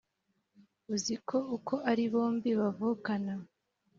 uziko uko ari bombi bavukana